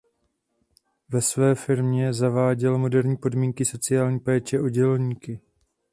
Ve své firmě zaváděl moderní podmínky sociální péče o dělníky.